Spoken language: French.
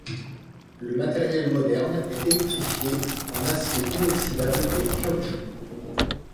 Le matériel moderne est électrifié, en acier inoxydable et en caoutchouc.